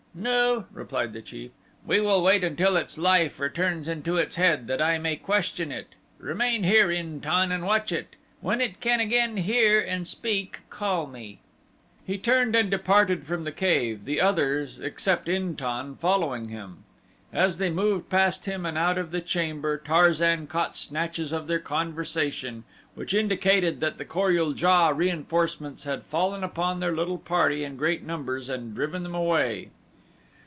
"No," replied the chief, "we will wait until its life returns into its head that I may question it. Remain here, In tan, and watch it. When it can again hear and speak call me." He turned and departed from the cave, the others, except In tan, following him. As they moved past him and out of the chamber Tarzan caught snatches of their conversation which indicated that the Kor ul JA reinforcements had fallen upon their little party in great numbers and driven them away.